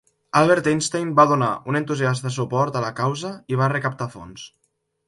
Albert Einstein va donar un entusiasta suport a la causa i va recaptar fons.